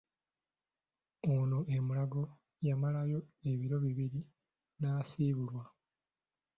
Ono e Mulago yamalayo ebiro bbiri naasiibulwa.